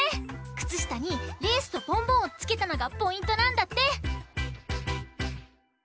くつしたにレースとボンボンをつけたのがポイントなんだって！